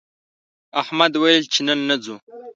احمد ویل چې نن نه ځو